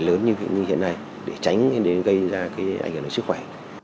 lớn như hiện nay để tránh gây ra cái ảnh hưởng đến sức khỏe